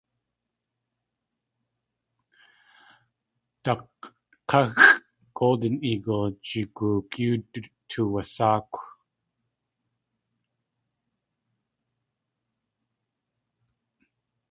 Dak̲káxʼ "Golden Eagle" gijook yóo tuwasáakw.